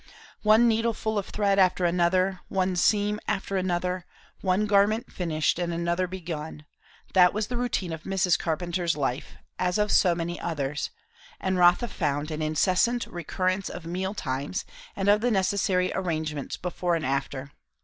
One needleful of thread after another, one seam after another, one garment finished and another begun; that was the routine of Mrs. Carpenter's life, as of so many others; and Rotha found an incessant recurrence of meal times, and of the necessary arrangements before and after.